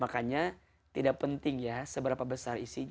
makanya tidak penting ya seberapa besar isinya